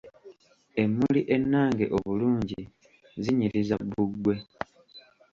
Emmuli ennange obulungi zinyiriza bbugwe.